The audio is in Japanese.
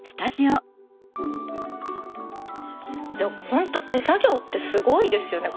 ほんと手作業ってすごいですよね